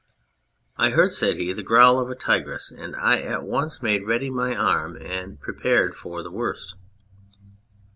" I heard," said he, " the growl of a tigress, and I at once made ready my arm and prepared for the worst."